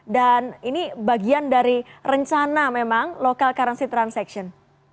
dan ini bagian dari rencana memang local currency transaction